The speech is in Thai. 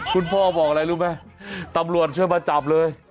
พ่อบอกอะไรรู้ไหมตำรวจช่วยมาจับเลย